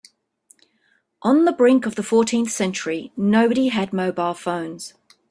On the brink of the fourteenth century, nobody had mobile phones.